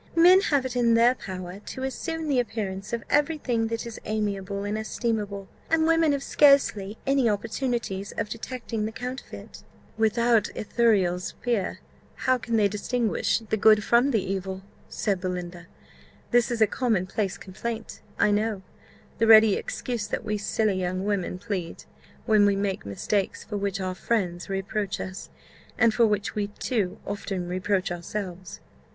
Men have it in their power to assume the appearance of every thing that is amiable and estimable, and women have scarcely any opportunities of detecting the counterfeit." "Without Ithuriel's spear, how can they distinguish the good from the evil?" said Belinda. "This is a common place complaint, I know; the ready excuse that we silly young women plead, when we make mistakes for which our friends reproach us, and for which we too often reproach ourselves."